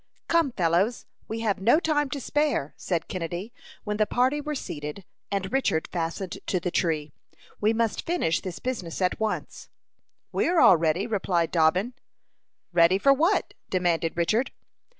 "Come, fellows, we have no time to spare," said Kennedy, when the party were seated, and Richard fastened to the tree. "We must finish this business at once." "We are all ready," replied Dobbin. "Ready for what?" demanded Richard.